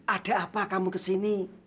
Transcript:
ada apa kamu kesini